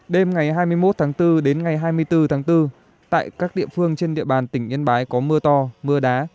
đêm ngày hai mươi một tháng bốn đến ngày hai mươi bốn tháng bốn tại các địa phương trên địa bàn tỉnh yên bái có mưa to mưa đá